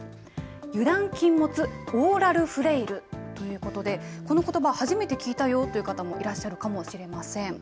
油断禁物、オーラルフレイルということで、このことば、初めて聞いたよという方もいらっしゃるかもしれません。